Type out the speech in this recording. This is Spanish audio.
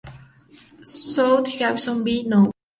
South Jacksonville No.